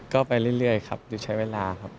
ก็ไปเรื่อยครับจะใช้เวลาครับ